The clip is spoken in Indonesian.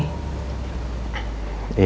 jadi dalam beberapa hari ini